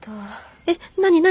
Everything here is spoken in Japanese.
えっ何何？